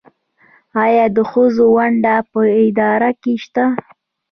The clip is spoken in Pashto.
آیا د ښځو ونډه په اداره کې شته؟